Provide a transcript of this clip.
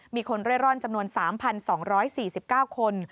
มีคนเร่ร่อนจำนวน๓๒๔๙คน